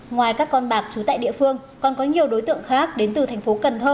ngoài các con bạc trú tại địa phương còn có nhiều đối tượng khác đến từ thành phố cần thơ